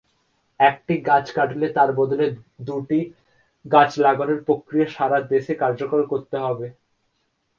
একটি গাছ কাটলে তার বদলে দূটি গাছ লাগানোর প্রক্রিয়া সারা দেশে কার্যকর করতে হবে।